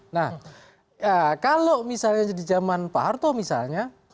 nah kalau misalnya di zaman pak harto misalnya